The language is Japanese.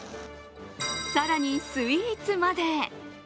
更にスイーツまで。